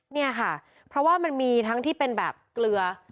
เนี่ยค่ะเพราะว่ามันมีทั้งที่เป็นแบบเกลือ